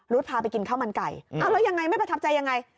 พาไปกินข้าวมันไก่เอาแล้วยังไงไม่ประทับใจยังไง